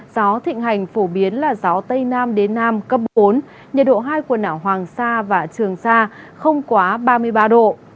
gió thịnh hành phổ biến là gió tây nam đến nam cấp bốn nhiệt độ hai quần đảo hoàng sa và trường sa không quá ba mươi ba độ